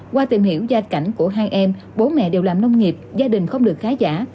qua tìm hiểu gia cảnh của hai em bố mẹ đều làm nông nghiệp gia đình không được khá giả